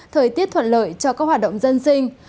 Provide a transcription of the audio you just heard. thời tiết thuận lợi cho các hoạt động dân sinh